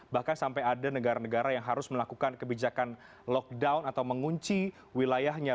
bahkan sampai ada negara negara yang harus melakukan kebijakan lockdown atau mengunci wilayahnya